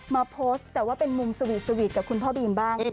มาโพสต์แต่ว่าเป็นมุมสวีทวีทกับคุณพ่อบีมบ้าง